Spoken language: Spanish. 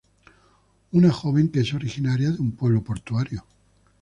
Una joven que es originaria de un pueblo portuario.